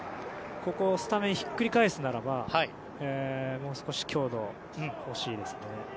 スタメンをひっくり返すならばもう少し強度が欲しいですね。